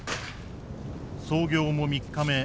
操業も３日目。